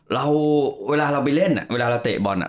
เวลาเราไปเล่นอ่ะเวลาเราเตะบอลอ่ะ